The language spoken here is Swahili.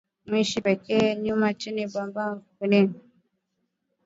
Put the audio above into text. Mushi weke nyama chini ita bamba bulongo